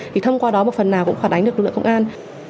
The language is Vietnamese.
thì thông qua đó một phần nào cũng khỏa đánh được lực lượng công an